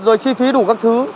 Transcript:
rồi chi phí đủ các thứ